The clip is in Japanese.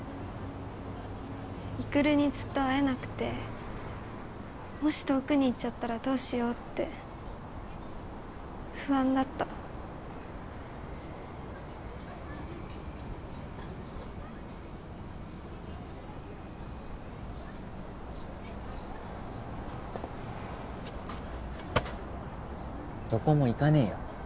育にずっと会えなくてもし遠くに行っちゃったらどうしようって不安だったどこも行かねえよ